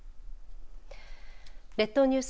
列島ニュース。